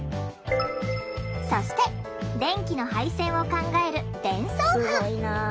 そして電気の配線を考える電装班。